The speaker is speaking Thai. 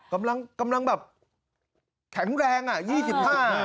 กำลังแข็งแรง๒๕นะครับ